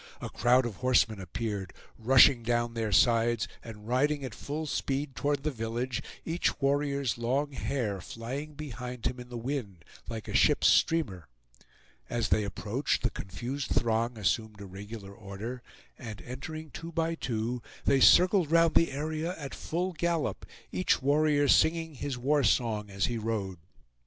A crowd of horsemen appeared, rushing down their sides and riding at full speed toward the village, each warrior's long hair flying behind him in the wind like a ship's streamer. As they approached, the confused throng assumed a regular order, and entering two by two, they circled round the area at full gallop, each warrior singing his war song as he rode.